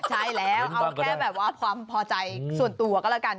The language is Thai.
ใช่แล้วเอาแค่แบบว่าความพอใจส่วนตัวก็แล้วกัน